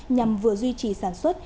nhằm vừa duy trì sản xuất